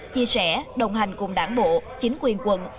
chia sẻ đồng hành cùng đảng bộ chính quyền quận